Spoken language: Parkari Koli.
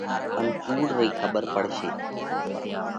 ان ڪُوڙ رئي کٻر پڙشي۔